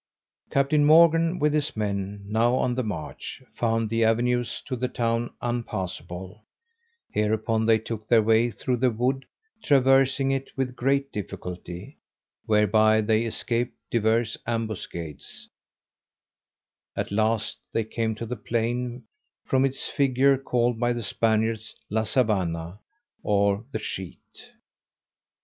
Captain Morgan, with his men, now on the march, found the avenues to the town unpassable; hereupon they took their way through the wood, traversing it with great difficulty, whereby they escaped divers ambuscades; at last they came to the plain, from its figure called by the Spaniards La Savanna, or the Sheet.